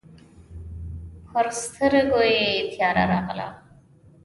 پر سترګو يې تياره راغله.